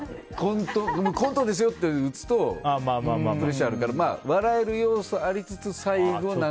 コントですよってするとプレッシャーあるから笑える要素がありつつ最後は。